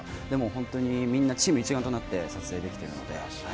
でも本当にみんなチーム一丸となって撮影できたので。